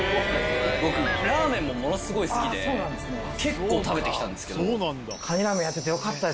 僕ラーメンもものすごい好きで結構食べて来たんですけど。